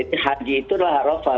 jadi haji itu adalah arafah